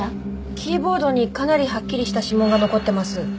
キーボードにかなりはっきりした指紋が残ってます。